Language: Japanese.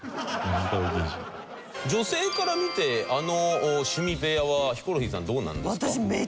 女性から見てあの趣味部屋はヒコロヒーさんどうなんですか？